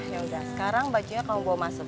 yaudah sekarang bajunya kamu bawa masuk